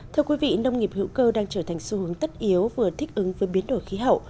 thưa quý vị nông nghiệp hữu cơ đang trở thành xu hướng tất yếu vừa thích ứng với biến đổi khí hậu